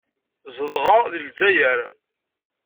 Zedɣeɣ deg Lezzayer.